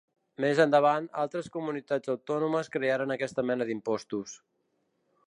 Més endavant, altres comunitats autònomes crearen aquesta mena d'impostos.